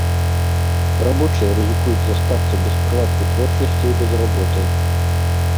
Рабочыя рызыкуюць застацца без прылад вытворчасці і без работы.